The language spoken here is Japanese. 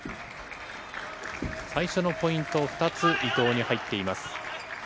最初のポイント２つ、伊藤に入っています。